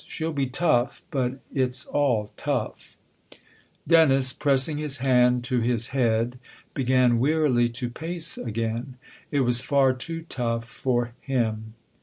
She'll be tough but it's all tough 1 " Dennis, pressing his hand to his head, began wearily to pace again : it was far too tough for him.